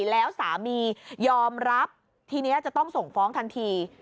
แล้วสามียอมรับทีนี้จะต้องส่งฟ้องทันที